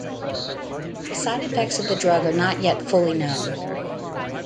The side effects of the drug are not yet fully known.